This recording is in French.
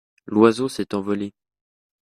L’oiseau s’est envolé.